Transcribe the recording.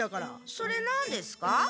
それなんですか？